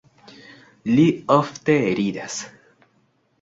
Li ofte ridas.